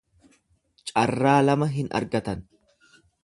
Carraa lama hin argatan.